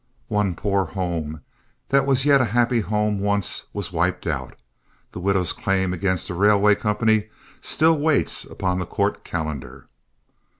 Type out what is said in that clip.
One poor home, that was yet a happy home once, was wiped out. The widow's claim against the railway company still waits upon the court calendar.